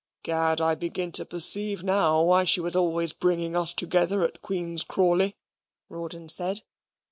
"Gad, I begin to perceive now why she was always bringing us together at Queen's Crawley," Rawdon said.